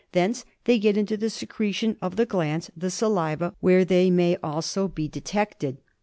Thence they get into the secretion of the glands — the saliva — where they may also be detected.